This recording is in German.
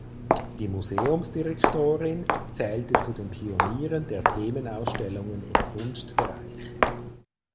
Die Museumsdirektorin zählte zu den Pionieren der Themenausstellungen im Kunstbereich.